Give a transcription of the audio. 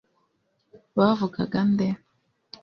bavugaga nde